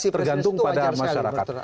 artinya tergantung pada masyarakat